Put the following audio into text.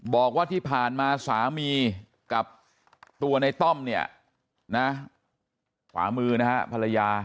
บอกว่าที่ผ่านมาสามีกับตัวในต้อมเนี่ยนะขวามือนะฮะภรรยา